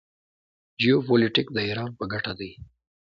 جیوپولیټیک د ایران په ګټه دی.